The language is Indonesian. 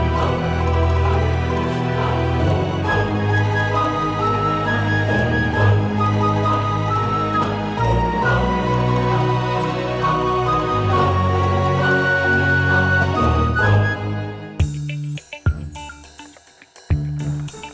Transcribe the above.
kamus abah soma dan ceyo tengah ya